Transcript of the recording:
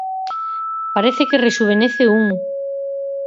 Parece que rexuvenece un.